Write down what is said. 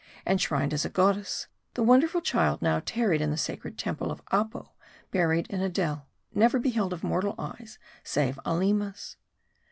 Enshrined as a goddess, the wonderful child now tarried in the sacred temple of Apo, buried in a dell ; never beheld of mortal eyes save Aleema's.